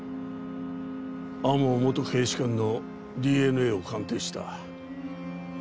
天羽元警視監のＤＮＡを鑑定した。